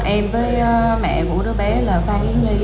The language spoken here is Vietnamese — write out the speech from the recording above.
em với mẹ của đứa bé là phan yến nhi